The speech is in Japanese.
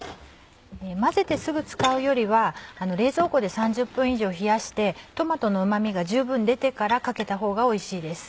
混ぜてすぐ使うよりは冷蔵庫で３０分以上冷やしてトマトのうま味が十分出てからかけた方がおいしいです。